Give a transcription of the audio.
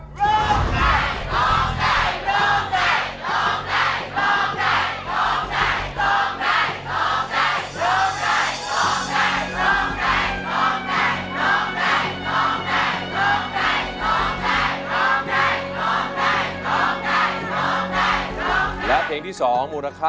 ร้องได้ร้องได้ร้องได้ร้อง